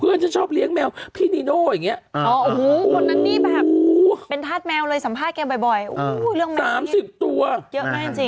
เพื่อนฉันชอบเลี้ยงแมวพี่นิโน่อย่างนี้